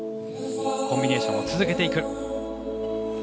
コンビネーションを続けていく。